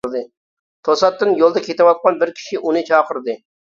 توساتتىن يولدا كېتىۋاتقان بىر كىشى ئۇنى چاقىردى.